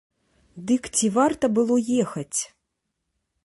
Дык ці варта было ехаць?